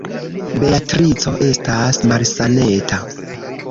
Beatrico estas malsaneta.